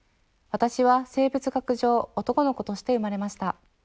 私は生物学上男の子として生まれました。